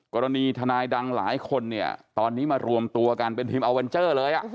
ทนายดังหลายคนเนี่ยตอนนี้มารวมตัวกันเป็นทีมอัลเวนเจอร์เลย